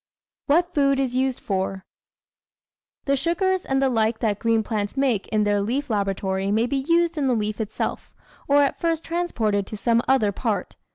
What Food is Used for The sugars and the like that green plants make in their leaf laboratory may be used in the leaf itself, or first transported to some other part.